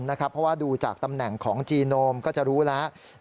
เพราะว่าดูจากตำแหน่งของจีโนมก็จะรู้แล้ว